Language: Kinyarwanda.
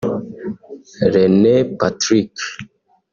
René Patrick